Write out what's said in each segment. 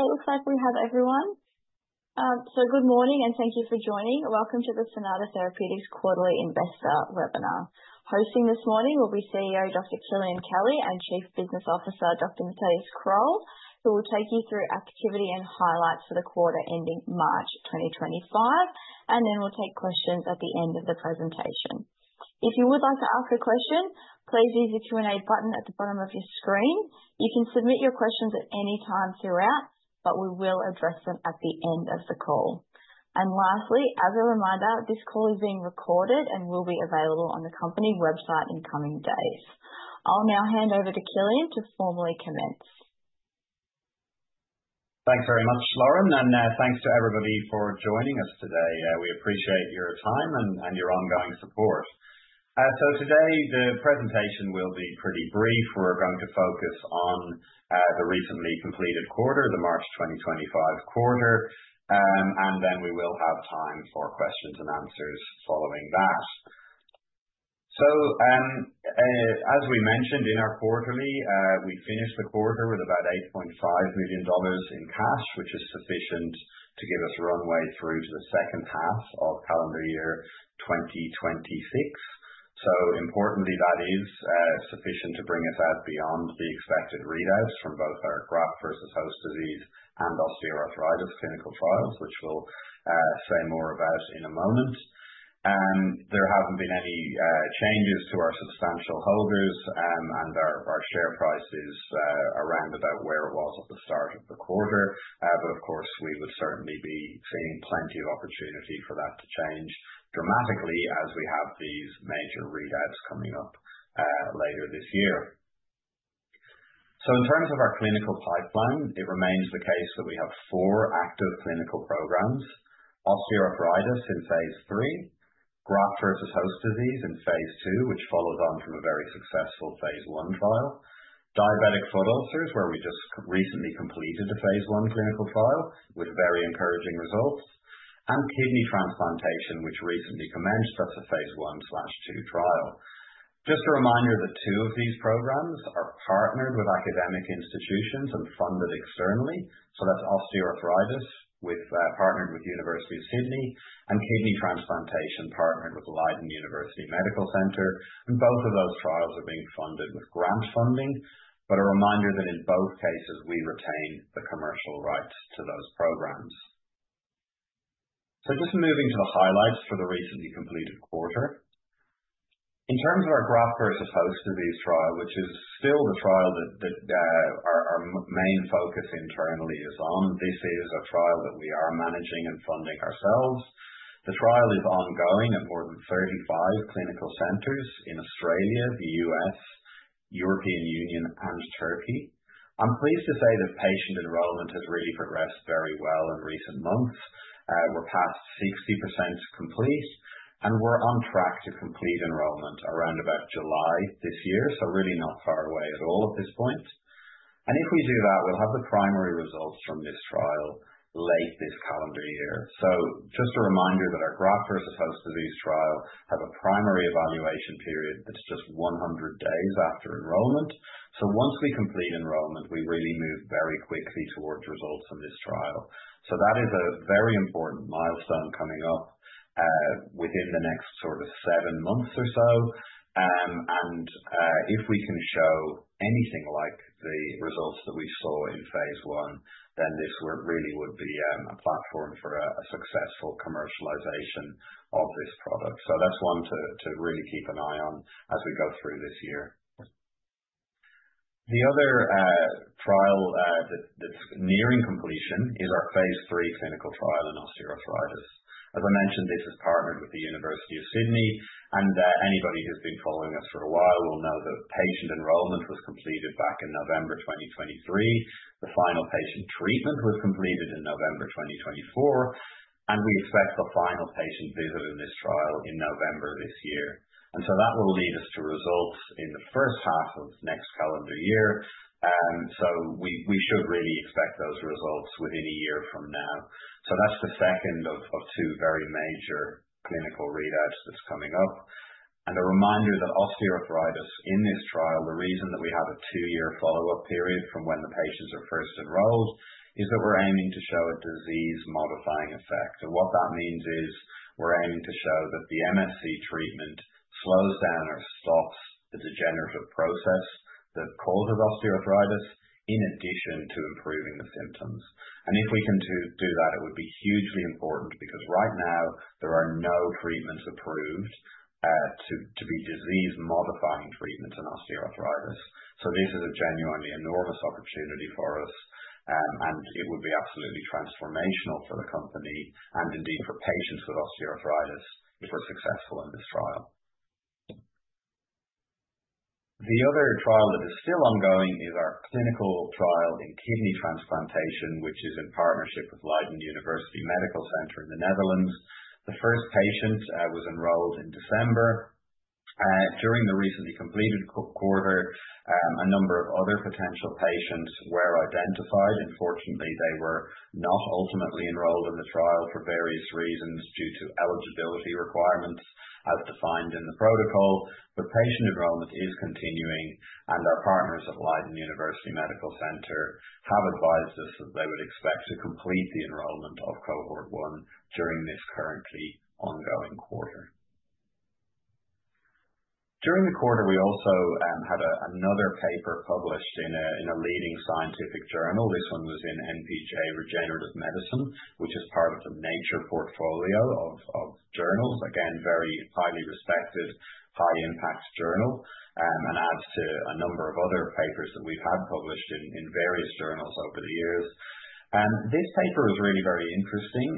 It looks like we have everyone. Good morning, and thank you for joining. Welcome to the Cynata Therapeutics quarterly investor webinar. Hosting this morning will be CEO, Dr. Kilian Kelly and Chief Business Officer, Dr. Mathias Kroll, who will take you through activity and highlights for the quarter ending March 2025, and then we'll take questions at the end of the presentation. If you would like to ask a question, please use the Q&A button at the bottom of your screen. You can submit your questions at any time throughout, but we will address them at the end of the call. Lastly, as a reminder, this call is being recorded and will be available on the company website in coming days. I'll now hand over to Kilian to formally commence. Thanks very much, Lauren, and thanks to everybody for joining us today. We appreciate your time and your ongoing support. Today the presentation will be pretty brief. We're going to focus on the recently completed quarter, the March 2025 quarter, and then we will have time for questions and answers following that. As we mentioned in our quarterly, we finished the quarter with about 8.5 million dollars in cash, which is sufficient to give us runway through to the second half of calendar year 2026. Importantly, that is sufficient to bring us out beyond the expected readouts from both our graft-versus-host disease and osteoarthritis clinical trials, which we'll say more about in a moment. There haven't been any changes to our substantial holders, and our share price is around about where it was at the start of the quarter. Of course, we would certainly be seeing plenty of opportunity for that to change dramatically as we have these major readouts coming up later this year. In terms of our clinical pipeline, it remains the case that we have four active clinical programs. Osteoarthritis in phase III, graft-versus-host disease in phase II, which follows on from a very successful phase I trial. Diabetic foot ulcers, where we just recently completed a phase I clinical trial with very encouraging results, and kidney transplantation, which recently commenced. That's a phase I/II trial. Just a reminder that two of these programs are partnered with academic institutions and funded externally. That's Osteoarthritis, partnered with University of Sydney and kidney transplantation partnered with Leiden University Medical Center. Both of those trials are being funded with grant funding. A reminder that in both cases we retain the commercial rights to those programs. Just moving to the highlights for the recently completed quarter. In terms of our graft-versus-host disease trial, which is still the trial that our main focus internally is on. This is a trial that we are managing and funding ourselves. The trial is ongoing at more than 35 clinical centers in Australia, the U.S., European Union and Turkey. I'm pleased to say that patient enrollment has really progressed very well in recent months. We're past 60% complete, and we're on track to complete enrollment around about July this year. Really not far away at all at this point. If we do that, we'll have the primary results from this trial late this calendar year. Just a reminder that our graft-versus-host disease trial have a primary evaluation period that's just 100 days after enrollment. Once we complete enrollment, we really move very quickly towards results from this trial. That is a very important milestone coming up, within the next sort of seven months or so. If we can show anything like the results that we saw in phase I, then this really would be a platform for a successful commercialization of this product. That's one to really keep an eye on as we go through this year. The other trial that's nearing completion is our phase III clinical trial in osteoarthritis. As I mentioned, this is partnered with the University of Sydney. Anybody who's been following us for a while will know that patient enrollment was completed back in November 2023. The final patient treatment was completed in November 2024, and we expect the final patient visit in this trial in November of this year. That will lead us to results in the first half of next calendar year. That's the second of two very major clinical readouts that's coming up. A reminder that osteoarthritis in this trial, the reason that we have a two-year follow-up period from when the patients are first enrolled is that we're aiming to show a disease-modifying effect. What that means is we're aiming to show that the MSC treatment slows down or stops the degenerative process that causes osteoarthritis in addition to improving the symptoms. If we can do that, it would be hugely important because right now there are no treatments approved to be disease-modifying treatments in osteoarthritis. This is a genuinely enormous opportunity for us, and it would be absolutely transformational for the company and indeed for patients with osteoarthritis if we're successful in this trial. The other trial that is still ongoing is our clinical trial in kidney transplantation, which is in partnership with Leiden University Medical Center in the Netherlands. The first patient was enrolled in December. During the recently completed quarter, a number of other potential patients were identified. Unfortunately, they were not ultimately enrolled in the trial for various reasons due to eligibility requirements as defined in the protocol. Patient enrollment is continuing, and our partners at Leiden University Medical Center have advised us that they would expect to complete the enrollment of cohort 1 during this currently ongoing quarter. During the quarter, we also had another paper published in a leading scientific journal. This one was in npj Regenerative Medicine, which is part of the Nature Portfolio of journals. Again, very highly respected, high impact journal, and adds to a number of other papers that we've had published in various journals over the years. This paper was really very interesting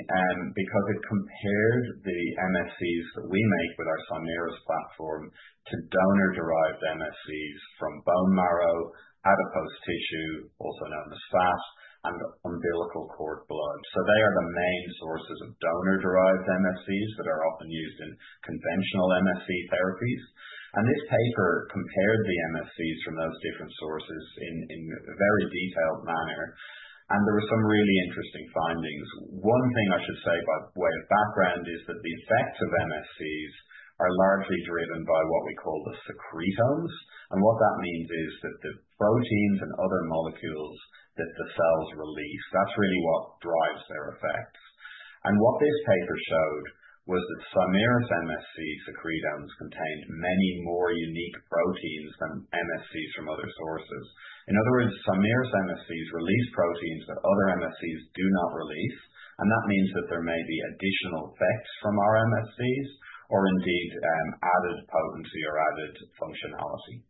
because it compared the MSCs that we make with our Cymerus platform to donor-derived MSCs from bone marrow, adipose tissue, also known as fat, and umbilical cord blood. They are the main sources of donor-derived MSCs that are often used in conventional MSC therapies. This paper compared the MSC from those different sources in a very detailed manner, and there were some really interesting findings. One thing I should say by way of background is that the effects of MSC are largely driven by what we call the secretomes. What that means is that the proteins and other molecules that the cells release, that's really what drives their effects. What this paper showed was that Cymerus MSCs secretomes contained many more unique proteins than MSCs from other sources. In other words, Cymerus MSCs release proteins that other MSCs do not release, and that means that there may be additional effects from our MSCs or indeed added potency or added functionality.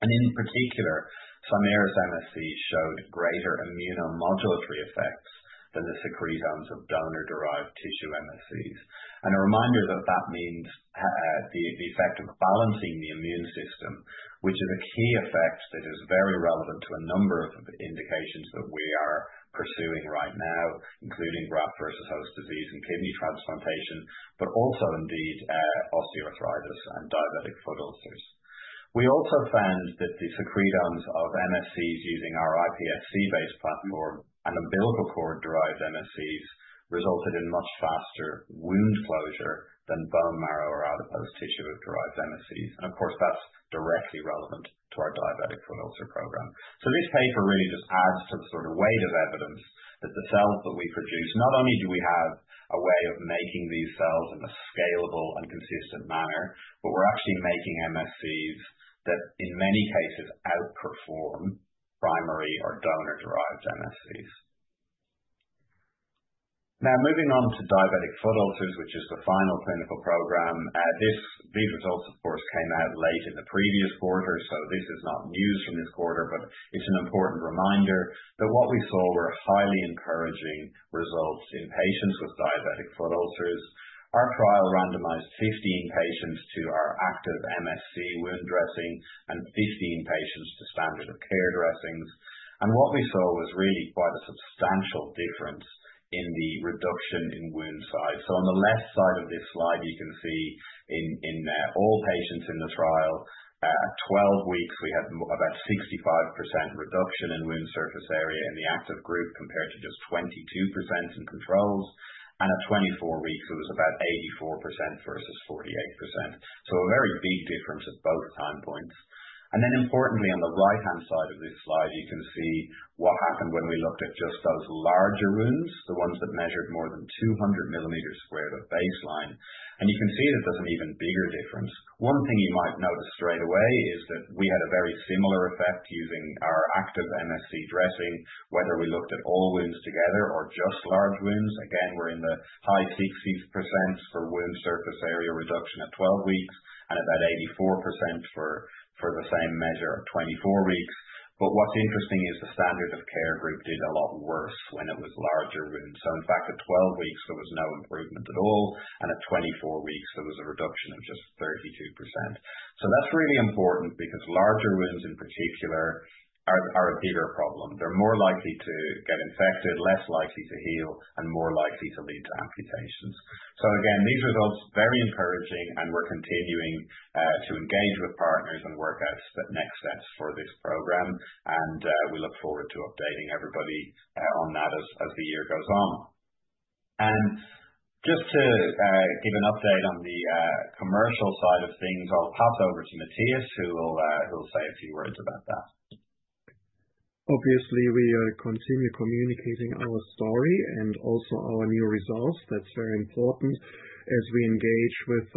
In particular, Cymerus MSC showed greater immunomodulatory effects than the secretomes of donor-derived tissue MSCs. A reminder that that means the effect of balancing the immune system, which is a key effect that is very relevant to a number of indications that we are pursuing right now, including graft-versus-host disease and kidney transplantation, but also indeed osteoarthritis and diabetic foot ulcers. We also found that the secretomes of MSCs using our iPSC-based platform and umbilical cord derived MSCs resulted in much faster wound closure than bone marrow or adipose tissue-derived MSCs. Of course, that's directly relevant to our diabetic foot ulcer program. Moving on to diabetic foot ulcers, which is the final clinical program. These results, of course, came out late in the previous quarter. This is not news from this quarter, but it's an important reminder that what we saw were highly encouraging results in patients with diabetic foot ulcers. Our trial randomized 15 patients to our active MSC wound dressing and 15 patients to standard of care dressings. What we saw was really quite a substantial difference in the reduction in wound size. On the left side of this slide, you can see in all patients in the trial, at 12 weeks, we had about 65% reduction in wound surface area in the active group, compared to just 22% in controls. At 24 weeks, it was about 84% versus 48%. A very big difference at both time points. Importantly, on the right-hand side of this slide, you can see what happened when we looked at just those larger wounds, the ones that measured more than 200 mm squared at baseline. You can see that there's an even bigger difference. One thing you might notice straight away is that we had a very similar effect using our active MSC dressing, whether we looked at all wounds together or just large wounds. Again, we're in the high 60s% for wound surface area reduction at 12 weeks and about 84% for the same measure at 24 weeks. What's interesting is the standard of care group did a lot worse when it was larger wounds. In fact, at 12 weeks, there was no improvement at all, and at 24 weeks, there was a reduction of just 32%. That's really important because larger wounds in particular are a bigger problem. They're more likely to get infected, less likely to heal, and more likely to lead to amputations. Again, these results very encouraging, and we're continuing to engage with partners and work out the next steps for this program. We look forward to updating everybody on that as the year goes on. Just to give an update on the commercial side of things, I'll pass over to Mathias, who will say a few words about that. Obviously, we are continually communicating our story and also our new results. That's very important as we engage with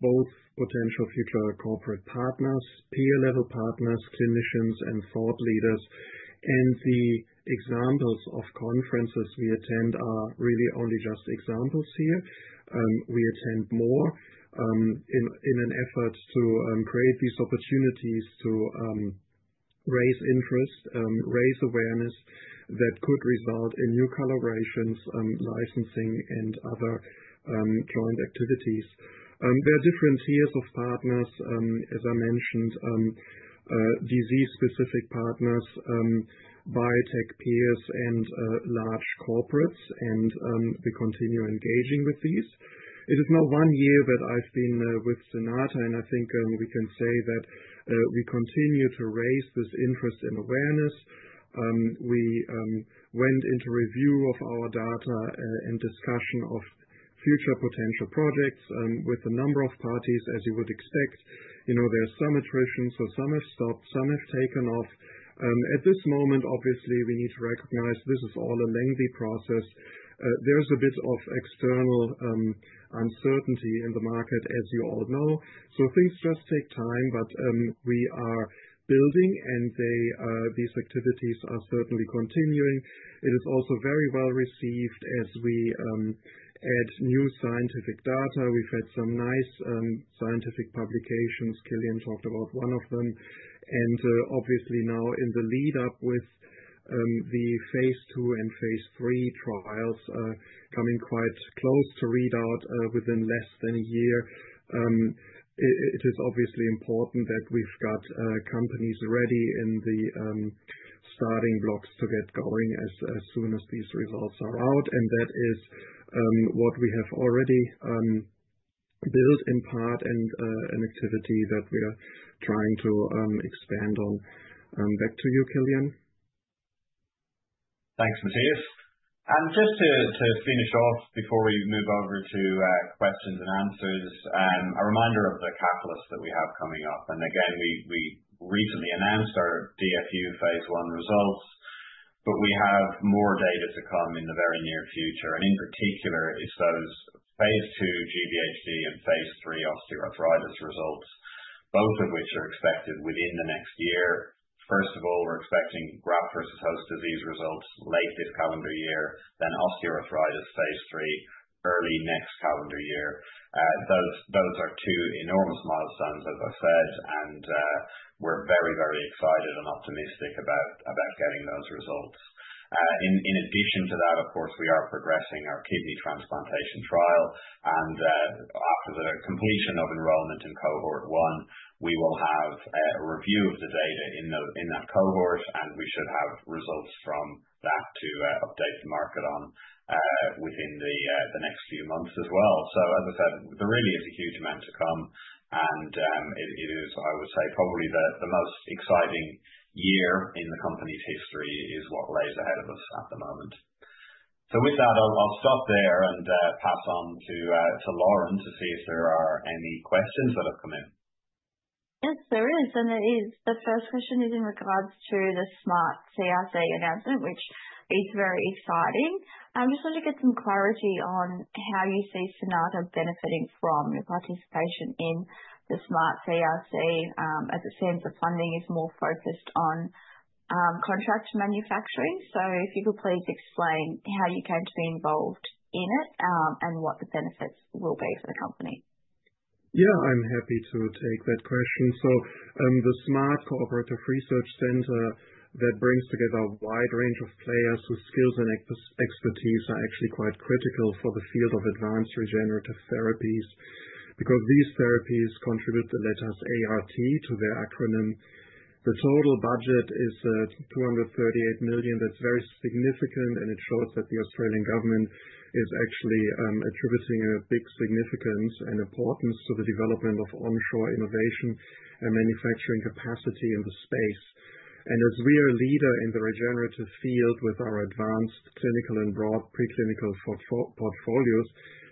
both potential future corporate partners, peer-level partners, clinicians, and thought leaders. The examples of conferences we attend are really only just examples here. We attend more in an effort to create these opportunities to raise interest, raise awareness that could result in new collaborations, licensing, and other joint activities. There are different tiers of partners, as I mentioned, disease-specific partners, biotech peers, and large corporates, and we continue engaging with these. It is now one year that I've been with Cynata, and I think we can say that we continue to raise this interest and awareness. We went into review of our data and discussion of future potential projects with a number of parties, as you would expect. There's some attrition. Some have stopped, some have taken off. At this moment, obviously, we need to recognize this is all a lengthy process. There is a bit of external uncertainty in the market, as you all know. Things just take time. We are building, and these activities are certainly continuing. It is also very well-received as we add new scientific data. We've had some nice scientific publications. Kilian talked about one of them. Obviously now in the lead-up with the phase II and phase III trials coming quite close to readout within less than a year, it is obviously important that we've got companies ready in the starting blocks to get going as soon as these results are out, and that is what we have already built in part, and an activity that we are trying to expand on. Back to you, Kilian. Thanks, Mathias. Just to finish off before we move over to questions and answers, a reminder of the catalysts that we have coming up. Again, we recently announced our DFU phase I results, but we have more data to come in the very near future. In particular, it's those phase II GvHD and phase III osteoarthritis results, both of which are expected within the next year. First of all, we're expecting graft-versus-host disease results late this calendar year, then osteoarthritis phase III early next calendar year. Those are two enormous milestones, as I said, and we're very excited and optimistic about getting those results. In addition to that, of course, we are progressing our kidney transplantation trial, and after the completion of enrollment in cohort 1, we will have a review of the data in that cohort, and we should have results from that to update the market on within the next few months as well. As I said, there really is a huge amount to come, and it is, I would say, probably the most exciting year in the company's history is what lays ahead of us at the moment. With that, I'll stop there and pass on to Lauren to see if there are any questions that have come in. Yes, there is. There is. The first question is in regards to the SMART CRC announcement, which is very exciting. I just want to get some clarity on how you see Cynata benefiting from your participation in the SMART CRC, as it seems the funding is more focused on contract manufacturing. If you could please explain how you came to be involved in it, and what the benefits will be for the company. Yeah, I'm happy to take that question. The SMART Cooperative Research Centre that brings together a wide range of players whose skills and expertise are actually quite critical for the field of advanced regenerative therapies because these therapies contribute the letters ART to their acronym. The total budget is 238 million. That's very significant, and it shows that the Australian government is actually attributing a big significance and importance to the development of onshore innovation and manufacturing capacity in the space. As we are a leader in the regenerative field with our advanced clinical and broad preclinical portfolios,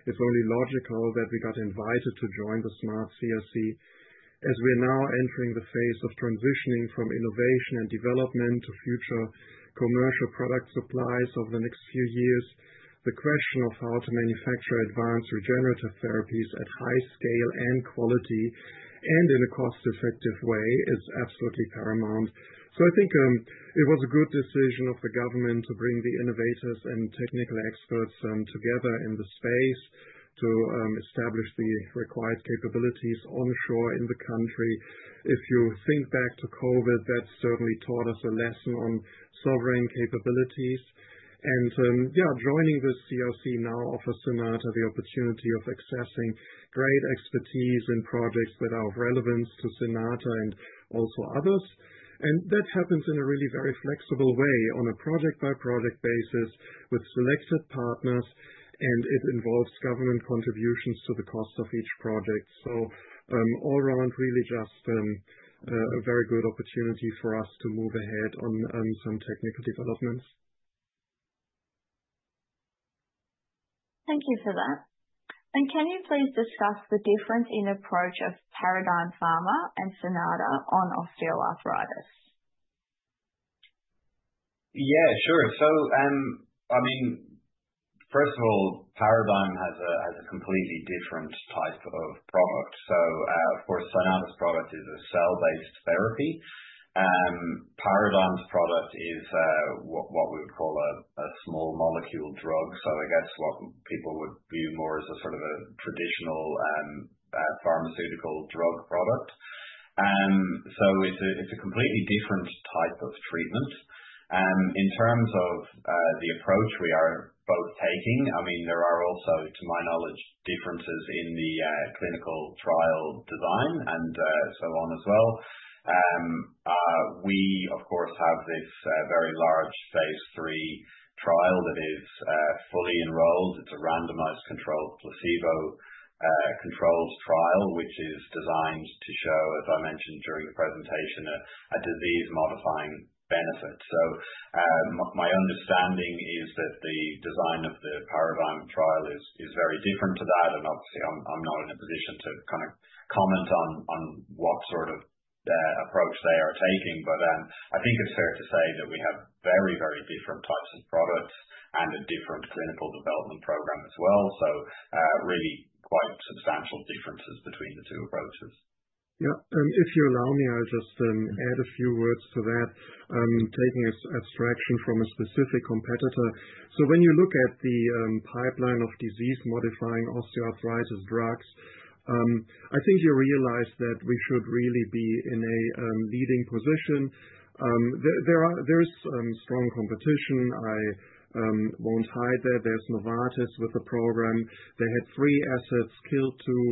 it's only logical that we got invited to join the SMART CRC. As we are now entering the phase of transitioning from innovation and development to future commercial product supplies over the next few years, the question of how to manufacture advanced regenerative therapies at high scale and quality and in a cost-effective way is absolutely paramount. I think it was a good decision of the government to bring the innovators and technical experts together in the space to establish the required capabilities onshore in the country. If you think back to COVID, that certainly taught us a lesson on sovereign capabilities. Yeah, joining the CRC now offers Cynata the opportunity of accessing great expertise in projects that are of relevance to Cynata and also others. That happens in a really very flexible way on a project-by-project basis with selected partners, and it involves government contributions to the cost of each project. All around, really just a very good opportunity for us to move ahead on some technical developments. Thank you for that. Can you please discuss the difference in approach of Paradigm Biopharmaceuticals and Cynata on osteoarthritis? Yeah, sure. First of all, Paradigm has a completely different type of product. Of course, Cynata's product is a cell-based therapy. Paradigm's product is what we would call a small molecule drug. I guess what people would view more as a sort of a traditional pharmaceutical drug product. It's a completely different type of treatment. In terms of the approach we are both taking, there are also, to my knowledge, differences in the clinical trial design and so on as well. We, of course, have this very large phase III trial that is fully enrolled. It's a randomized controlled placebo controlled trial, which is designed to show, as I mentioned during the presentation, a disease-modifying benefit. My understanding is that the design of the Paradigm trial is very different to that, and obviously I'm not in a position to comment on what sort of approach they are taking. I think it's fair to say that we have very, very different types of products and a different clinical development program as well. Really quite substantial differences between the two approaches. Yeah. If you allow me, I'll just add a few words to that, taking an abstraction from a specific competitor. When you look at the pipeline of disease-modifying osteoarthritis drugs, I think you realize that we should really be in a leading position. There is strong competition. I won't hide that. There's Novartis with a program. They had three assets, killed two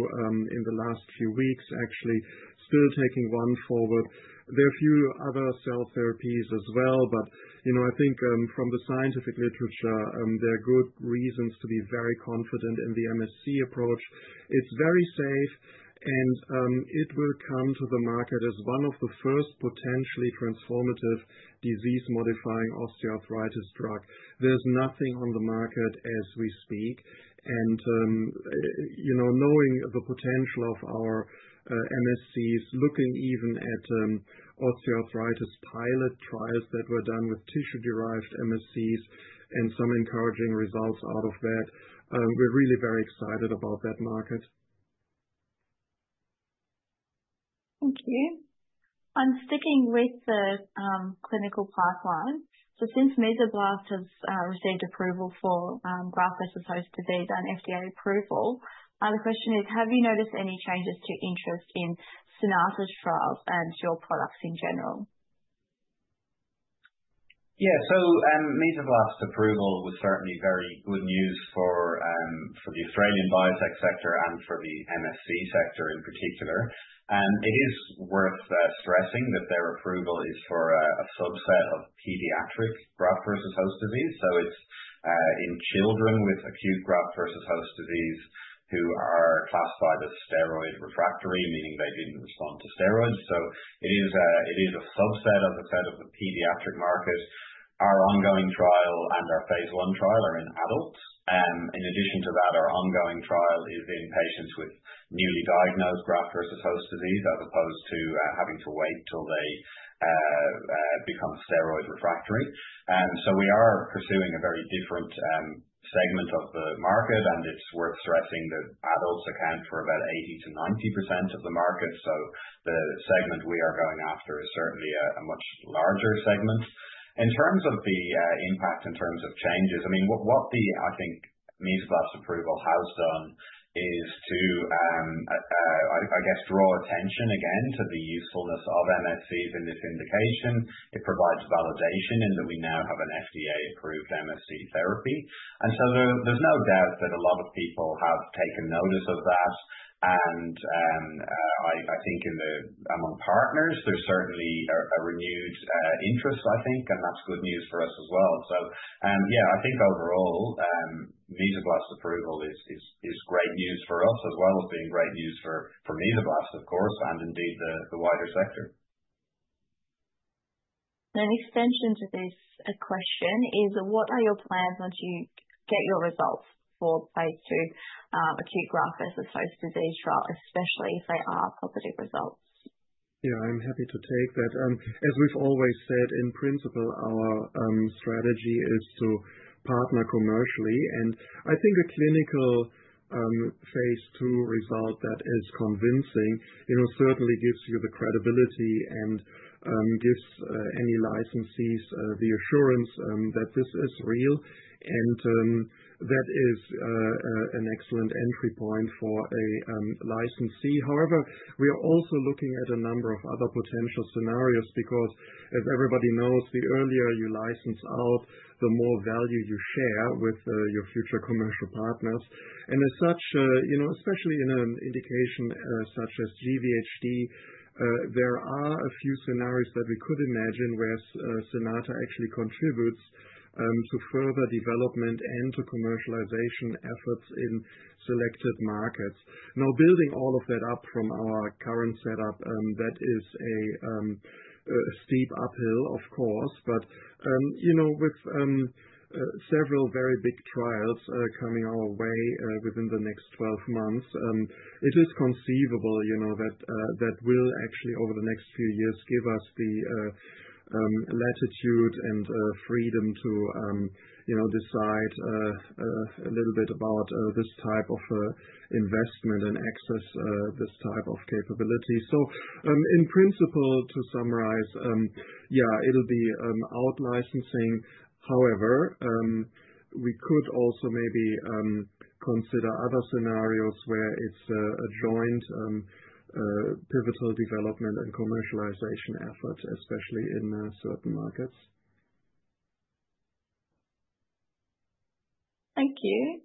in the last few weeks actually, still taking one forward. There are few other cell therapies as well, but I think from the scientific literature, there are good reasons to be very confident in the MSC approach. It's very safe, and it will come to the market as one of the first potentially transformative disease-modifying osteoarthritis drug. There's nothing on the market as we speak, and knowing the potential of our MSCs, looking even at osteoarthritis pilot trials that were done with tissue-derived MSCs and some encouraging results out of that, we're really very excited about that market. Thank you. Sticking with the clinical pipeline. Since Mesoblast has received approval for graft-versus-host disease and FDA approval, the question is, have you noticed any changes to interest in Cynata's trials and your products in general? Yeah. Mesoblast approval was certainly very good news for the Australian biotech sector and for the MSC sector in particular. It is worth stressing that their approval is for a subset of pediatric graft-versus-host disease. It's in children with acute graft-versus-host disease who are classified as steroid refractory, meaning they didn't respond to steroids. It is a subset, as I said, of the pediatric market. Our ongoing trial and our phase I trial are in adults. In addition to that, our ongoing trial is in patients with newly diagnosed graft-versus-host disease, as opposed to having to wait till they become steroid refractory. We are pursuing a very different segment of the market, and it's worth stressing that adults account for about 80%-90% of the market. The segment we are going after is certainly a much larger segment. In terms of the impact in terms of changes, what the, I think, Mesoblast approval has done is to draw attention again to the usefulness of MSCs in this indication. It provides validation in that we now have an FDA-approved MSC therapy. There's no doubt that a lot of people have taken notice of that, and I think among partners, there's certainly a renewed interest, I think. That's good news for us as well. I think overall, Mesoblast approval is great news for us, as well as being great news for Mesoblast, of course, and indeed the wider sector. An extension to this question is what are your plans once you get your results for phase II acute graft-versus-host disease trial, especially if they are positive results? Yeah, I'm happy to take that. As we've always said, in principle, our strategy is to partner commercially. I think a clinical phase II result that is convincing certainly gives you the credibility and gives any licensees the assurance that this is real. That is an excellent entry point for a licensee. However, we are also looking at a number of other potential scenarios because, as everybody knows, the earlier you license out, the more value you share with your future commercial partners. As such, especially in an indication such as GvHD, there are a few scenarios that we could imagine where Cynata actually contributes to further development and to commercialization efforts in selected markets. Building all of that up from our current setup, that is a steep uphill, of course. With several very big trials coming our way within the next 12 months, it is conceivable that will actually, over the next few years, give us the latitude and freedom to decide a little bit about this type of investment and access this type of capability. In principle, to summarize, yeah, it'll be out-licensing. However, we could also maybe consider other scenarios where it's a joint pivotal development and commercialization effort, especially in certain markets. Thank you.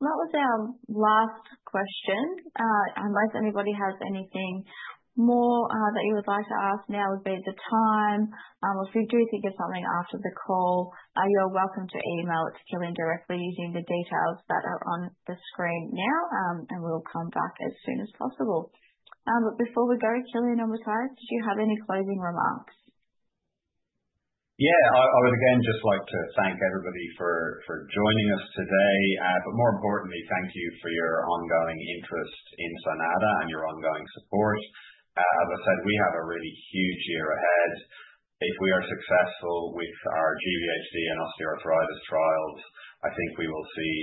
That was our last question. Unless anybody has anything more that you would like to ask, now would be the time. Or if you do think of something after the call, you are welcome to email it to Kilian directly using the details that are on the screen now, and we'll come back as soon as possible. Before we go, Kilian and Mathias, do you have any closing remarks? Yeah. I would again just like to thank everybody for joining us today. More importantly, thank you for your ongoing interest in Cynata and your ongoing support. As I said, we have a really huge year ahead. If we are successful with our GvHD and osteoarthritis trials, I think we will see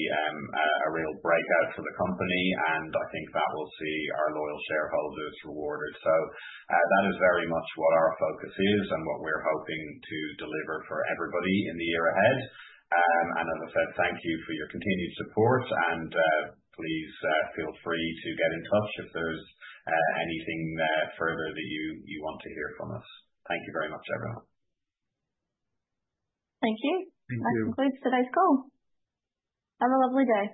a real breakout for the company, and I think that will see our loyal shareholders rewarded. That is very much what our focus is and what we're hoping to deliver for everybody in the year ahead. As I said, thank you for your continued support, and please feel free to get in touch if there's anything further that you want to hear from us. Thank you very much, everyone. Thank you. Thank you. That concludes today's call. Have a lovely day.